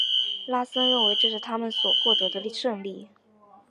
拉森认为这是他们所取得的胜利。